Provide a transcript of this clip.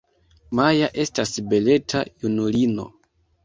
Maja estas beleta junulino.